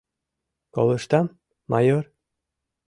— Колыштам, майор?